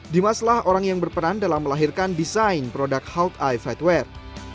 dimas lah orang yang berperan dalam melahirkan desain produk hawkeye fightwear